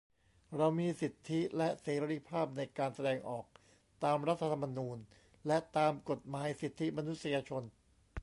เรามีสิทธิและเสรีภาพในการแสดงออกตามรัฐธรรมนูญ และตามกฎหมายสิทธิมนุษยชน